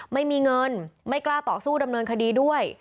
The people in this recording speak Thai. ไม่มีเงินไม่กล้าต่อสู้ดำเนินคดีด้วย